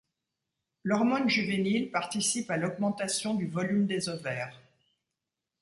L'hormone juvénile participe à l'augmentation du volume des ovaires.